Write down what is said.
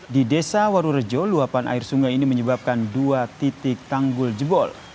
di desa warurejo luapan air sungai ini menyebabkan dua titik tanggul jebol